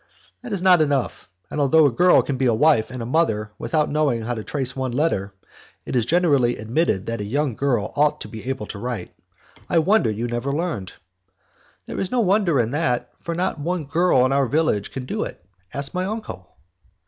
"That is not enough, and although a girl can be a wife and a mother without knowing how to trace one letter, it is generally admitted that a young girl ought to be able to write. I wonder you never learned." "There is no wonder in that, for not one girl in our village can do it. Ask my uncle."